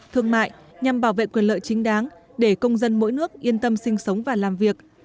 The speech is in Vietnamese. thương mại nhằm bảo vệ quyền lợi chính đáng để công dân mỗi nước yên tâm sinh sống và làm việc